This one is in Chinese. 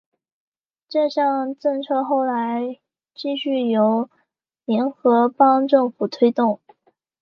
这项政策后来继续由联合邦政府推动。